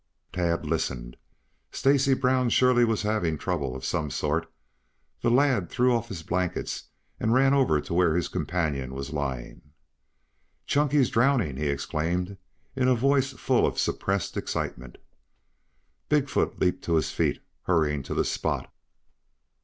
Tad listened. Stacy Brown surely was having trouble of some sort. The lad threw off his blankets and ran over to where his companion was lying. "Chunky's drowning," he exclaimed in a voice full of suppressed excitement. Big foot leaped to his feet, hurrying to the spot.